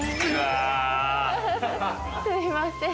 すいません。